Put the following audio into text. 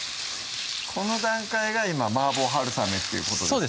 この段階が今「マーボー春雨」っていうことですか？